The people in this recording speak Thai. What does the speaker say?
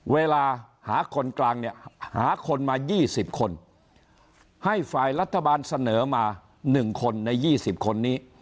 เวลาหาคนกลางเนี่ยหาคนมา๒๐คนให้ฝ่ายรัฐบาลเสนอมา๑คนใน๒๐คนนี้